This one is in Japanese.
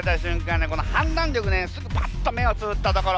ねこの判断力ねすぐパッと目をつぶったところ。